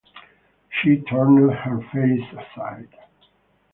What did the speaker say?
She turned her face aside.